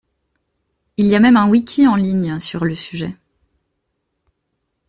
Il y a même un wiki en ligne sur le sujet.